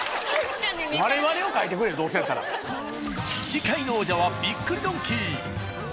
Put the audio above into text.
次回の王者は「びっくりドンキー」。